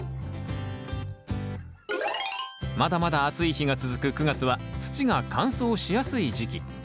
まだまだ暑い日が続く９月は土が乾燥しやすい時期。